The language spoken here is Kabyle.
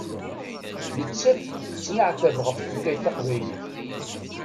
Nettat tettneɛtab ɣef tutlayt taqbaylit.